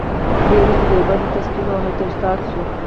دی وروسته دیوبند ته ستون او هلته استاد شو.